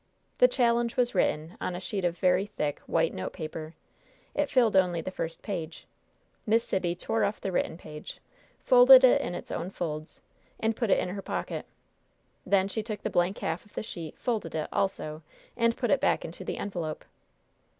The challenge was written on a sheet of very thick, white note paper. It filled only the first page. Miss Sibby tore off the written page, folded it in its own folds, and put it in her pocket. Then she took the blank half of the sheet, folded it, also, and put it back into the envelope.